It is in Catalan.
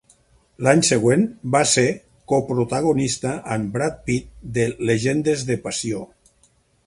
L'any següent, va ser coprotagonista amb Brad Pitt de "Llegendes de passió".